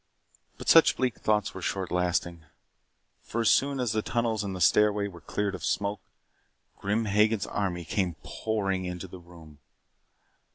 But such bleak thoughts were short lasting. For as soon as the tunnels and the stairway were cleared of smoke, Grim Hagen's army came pouring into the room.